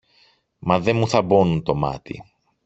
Μα δε μου θαμπώνουν το μάτι.